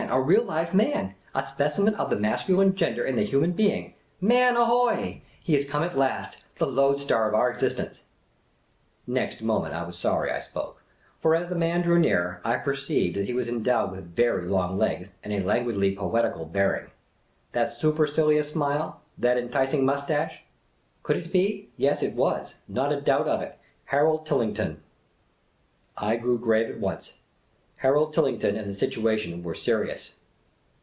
A real live Man ! A specimen of the masculine gender in the human being ! Man, ahoy ! He has come at last — the loadstar of our existence !" Next minute, I was sorry I spoke ; for as the man drew nearer, I perceived that he was endowed with very long legs and a languidly poetical bearing. That supercilious smile — that enticing moustache ! Could it be ?— yes, it was — not a doubt of it— Harold Tillington ! I grew grave at once ; Harold Tillington and the situation were serious.